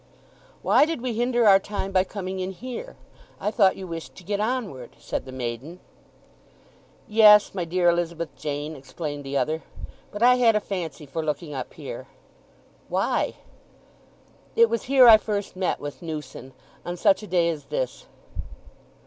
"Why did we hinder our time by coming in here? I thought you wished to get onward?" said the maiden. "Yes, my dear Elizabeth Jane," explained the other. "But I had a fancy for looking up here." "Why?" "It was here I first met with Newson—on such a day as this."